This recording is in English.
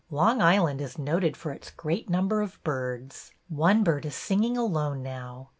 Long Island is noted for its great number of birds. One bird is singing alone now.